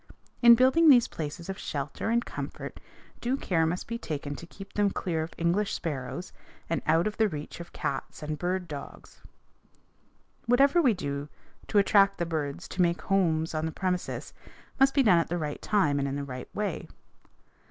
In building these places of shelter and comfort, due care must be taken to keep them clear of English sparrows and out of the reach of cats and bird dogs. Whatever we do to attract the birds to make homes on the premises must be done at the right time and in the right way.